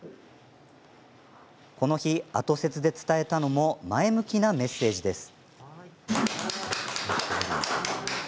この日、後説で伝えたのも前向きなメッセージです。